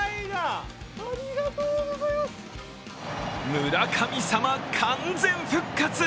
村神様、完全復活！